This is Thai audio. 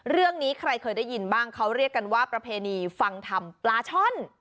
เรื่องนี้ใครเคยได้ยินบ้างเขาเรียกกันว่าประเพณีฟังธรรมปลาช่อน